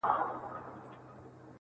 شپه د چيغو شاهده وي,